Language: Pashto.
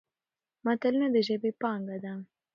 متلونه د ژبې پانګه ده.